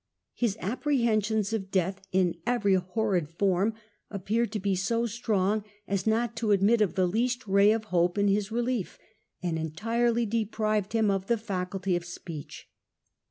His apprehensions of death in every horrid form appeared to be so strong as not to admit of the least ray of hope to his relief, and entirely deprived him of the fiiculty of speech.